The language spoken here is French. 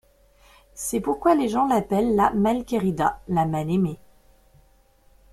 C'est pourquoi les gens l'appellent la Malquerida, la mal aimée.